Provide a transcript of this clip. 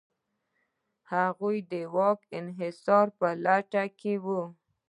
هغوی د واک انحصار په لټه کې و.